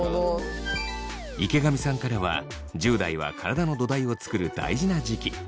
池上さんからは１０代は体の土台を作る大事な時期。